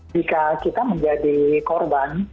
jika kita menjadi korban